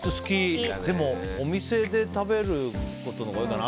でもお店で食べる時のほうが多いかな。